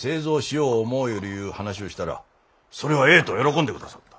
ようるいう話ゅうしたらそれはええと喜んでくださった。